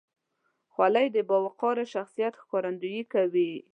خولۍ د باوقاره شخصیت ښکارندویي کوي.